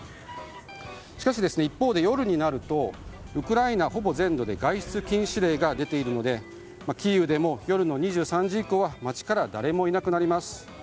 しかし、一方で夜になるとウクライナほぼ全土で外出禁止令が出ているのでキーウでも夜の２３時以降は街から誰もいなくなります。